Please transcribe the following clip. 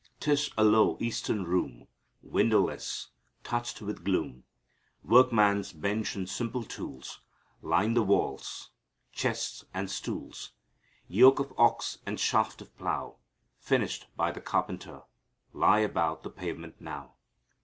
'Tis a low Eastern room, Windowless, touched with gloom. Workman's bench and simple tools Line the walls. Chests and stools, Yoke of ox, and shaft of plow, Finished by the Carpenter Lie about the pavement now.